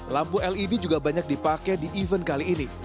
lampu led juga banyak dipakai di event kali ini